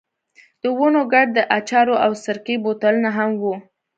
د ونو کنډ، د اچارو او سرکې بوتلونه هم وو.